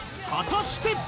果たして？